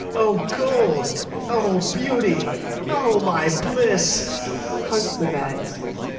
O gold! O beauty! O my bliss! [Hugs the bags.